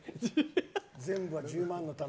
全部は１０万円のため。